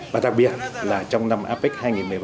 và đặc biệt là trong năm apec hai nghìn một mươi bảy